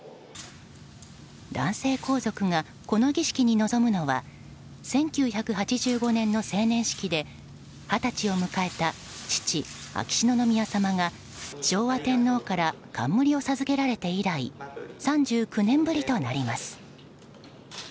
男性皇族がこの儀式に臨むのは１９８５年の成年式で二十歳を迎えた父・秋篠宮さまが昭和天皇から冠を授けられて以来３９年ぶりとなります。